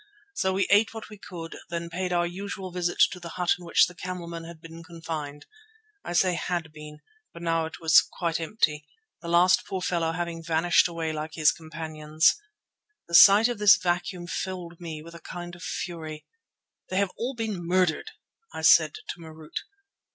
So we ate what we could and then paid our usual visit to the hut in which the camelmen had been confined. I say had been, for now it was quite empty, the last poor fellow having vanished away like his companions. The sight of this vacuum filled me with a kind of fury. "They have all been murdered!" I said to Marût.